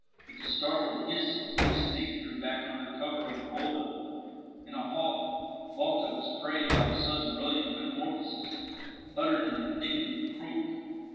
With a startled hiss a big snake drew back under cover of a boulder, and a hawk, balked of its prey by the sudden brilliant metamorphosis, uttered an indignant croak.